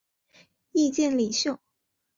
意见领袖。